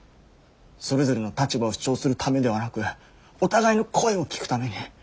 それぞれの立場を主張するためではなくお互いの声を聞くために。